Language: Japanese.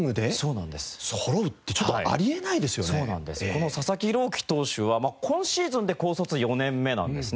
この佐々木朗希投手は今シーズンで高卒４年目なんですね。